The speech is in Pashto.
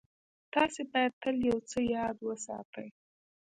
تاسې بايد تل يو څه ياد وساتئ.